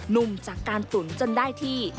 ุ่มจากการตุ๋นจนได้ที่